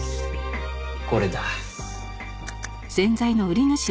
これだ。